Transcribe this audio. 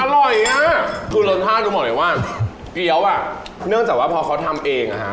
อร่อยอ่ะคือรสชาติดูบอกเลยว่าเกี้ยวอ่ะเนื่องจากว่าพอเขาทำเองอ่ะฮะ